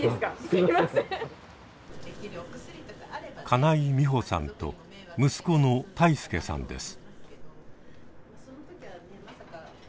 金井美穂さんと息子の泰亮さんです。